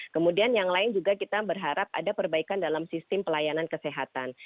kemudian yang lain juga kita berharap ada perbaikan dalam sistem pelayanan kesehatan